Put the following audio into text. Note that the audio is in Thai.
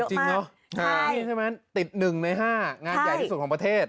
นี่ใช่ไหมติดหนึ่งในห้างานใหญ่ที่สุดของประเทศ